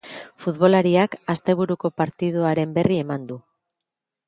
Futbolariak, asteburuko partidoaren berri eman du.